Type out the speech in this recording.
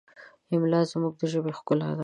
املا زموږ د ژبې ښکلا ده.